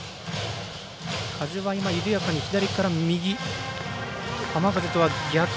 風は今、緩やかに左から右。